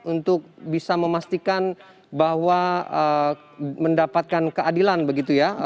untuk bisa memastikan bahwa mendapatkan keadilan begitu ya